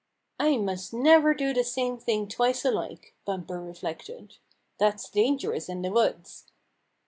" I must never do the same thing twice alike," Bumper reflected. "That's dangerous in the woods."